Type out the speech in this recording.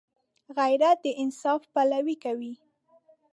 غیرت د انصاف پلوي کوي